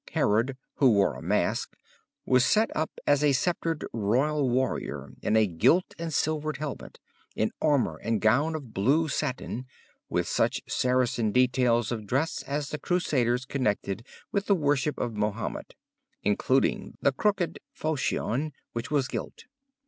Herod, who wore a mask, was set up as a sceptred royal warrior in a gilt and silvered helmet, in armour and gown of blue satin, with such Saracen details of dress as the Crusaders connected with the worship of Mahomet, including the crooked faulchion, which was gilt.